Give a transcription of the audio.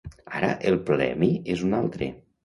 Ara el premi és un altre.